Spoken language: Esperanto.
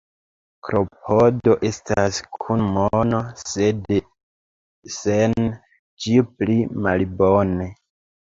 Klopodo estas kun mono, sed sen ĝi pli malbone.